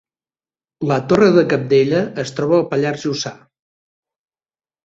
La Torre de Cabdella es troba al Pallars Jussà